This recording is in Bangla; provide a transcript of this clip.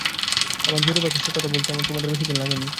আমার যে রূপ আছে, সে কথা ভুলতে তোমার বেশিদিন লাগে নি।